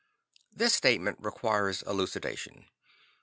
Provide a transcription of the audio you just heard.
This statement requires elucidation.